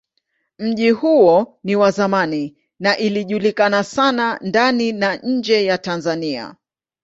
Mji huo ni wa zamani na ilijulikana sana ndani na nje ya Tanzania.